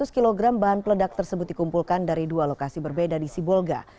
lima ratus kg bahan peledak tersebut dikumpulkan dari dua lokasi berbeda di sibolga